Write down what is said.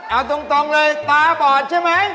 เอาตรงเลยตาบอดใช่ไหม